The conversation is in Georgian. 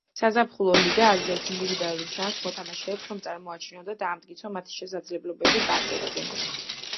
საზაფხულო ლიგა აძლევს ინდივიდუალურ შანს მოთამაშეებს რომ წარმოაჩინონ და დაამტკიცონ მათი შესაძლებლობები პარკეტზე.